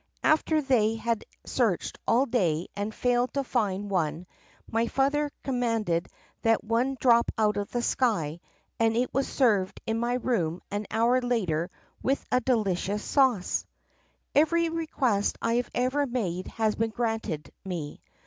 After they 12 THE PUSSYCAT PRINCESS 13 had searched all day and failed to find one my father com manded that one drop out of the sky and it was served in my room an hour later with a delicious sauce. "Every request I have ever made has been granted me.